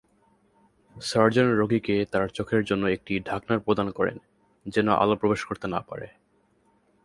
Surgeon রোগীকে তার চোখের জন্য একটি ঢাকনা প্রদান করেন, যেন আলো প্রবেশ করতে না পারে।